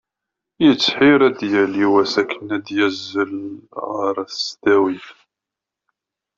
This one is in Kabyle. Yettḥir ad yali wass akken ad yazzel ɣer tesdawit.